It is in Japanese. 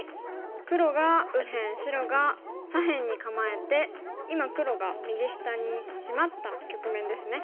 黒が右辺白が左辺に構えて今黒が右下にシマった局面ですね。